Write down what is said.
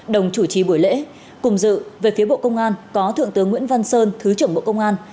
đồng chủ trì buổi lễ cùng dự về phía bộ công an có thượng tướng nguyễn văn sơn thứ trưởng bộ công an